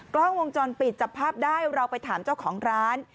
กล้องวงจรปิดจับภาพได้เราไปถามเจ้าของร้าน